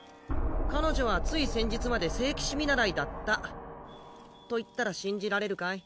彼女はつい先日まで聖騎士見習いだったと言ったら信じられるかい？